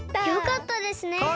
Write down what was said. よかったですね！